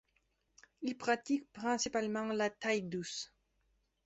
Il pratique principalement la taille-douce.